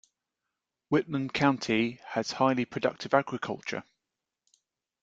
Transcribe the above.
Whitman County has highly productive agriculture.